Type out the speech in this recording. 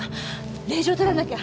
令状とらなきゃ！